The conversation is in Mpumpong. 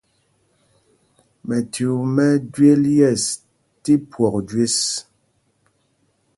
Mɛchuu mɛ́ ɛ́ jwel ̀yɛ̂ɛs tí phwɔk jüés.